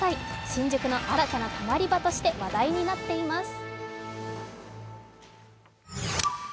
新宿の新たなたまり場として話題になっています。